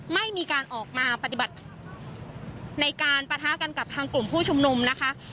ไม่มีการออกมาปฏิบัติในการปะทะกันกับทางกลุ่มผู้ชุมนุมนะคะ